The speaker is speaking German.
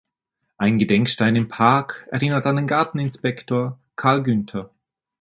Ein Gedenkstein im Park erinnert an den Garteninspektor Carl Günther.